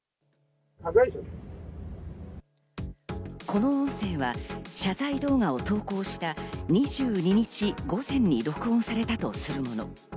この音声は謝罪動画を投稿した２２日午前に録音されたとするもの。